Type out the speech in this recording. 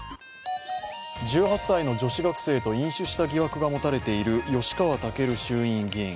１８歳の女子学生と飲酒した疑惑が持たれている吉川赳衆院議員。